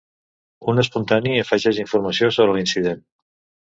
Un espontani afegeix informació sobre l'incident.